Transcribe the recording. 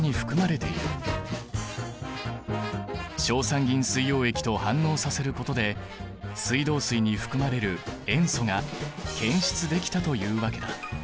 硝酸銀水溶液と反応させることで水道水に含まれる塩素が検出できたというわけだ。